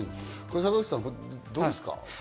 坂口さん、どうですか？